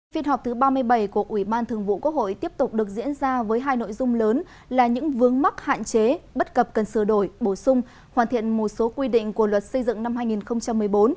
phiên họp thứ ba mươi bảy của ủy ban thường vụ quốc hội tiếp tục được diễn ra với hai nội dung lớn là những vướng mắc hạn chế bất cập cần sửa đổi bổ sung hoàn thiện một số quy định của luật xây dựng năm hai nghìn một mươi bốn